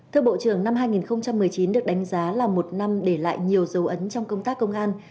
thưa bộ trưởng năm hai nghìn một mươi chín được đánh giá là một năm để lại nhiều dấu ấn trong công tác công an